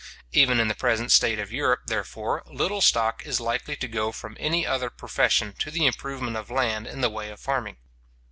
Even in the present state of Europe, therefore, little stock is likely to go from any other profession to the improvement of land in the way of farming.